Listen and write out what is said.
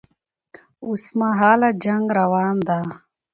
اوس مهال جنګ روان ده